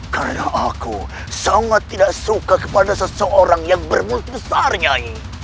karena aku sangat tidak suka kepada seseorang yang bermusik besar nyai